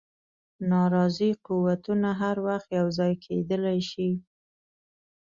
ناراضي قوتونه هر وخت یو ځای کېدلای شي.